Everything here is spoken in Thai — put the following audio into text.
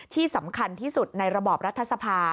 ที่สำคัญที่สุดในระบอบรัฐสภา